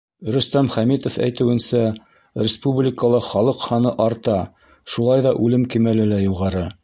Рөстәм Хәмитов әйтеүенсә, республикала халыҡ һаны арта, шулай ҙа үлем кимәле лә юғары.